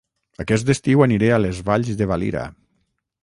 Aquest estiu aniré a Les Valls de Valira